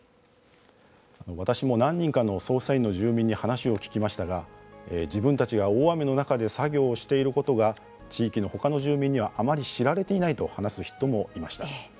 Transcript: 私も何人かの操作員の住民に話を聞きましたが自分たちが大雨の中で作業をしていることが地域の他の住民にはあまり知られていないと話す人もいました。